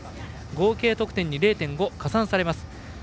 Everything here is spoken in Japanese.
合計得点に０．５加算されます。